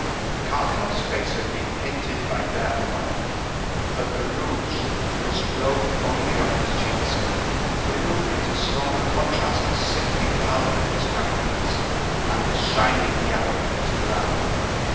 The cardinal's face had been painted by Bernouin; but the rouge, which glowed only on his cheeks, threw into stronger contrast the sickly pallor of his countenance and the shining yellow of his brow.